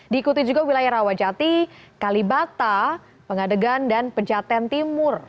diikuti juga wilayah rawajati kalibata pengadegan dan pejaten timur